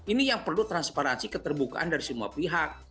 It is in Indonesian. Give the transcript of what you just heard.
ini yang perlu transparansi keterbukaan dari semua pihak